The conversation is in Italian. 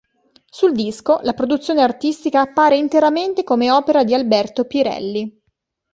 Sul disco, la produzione artistica appare interamente come opera di Alberto Pirelli.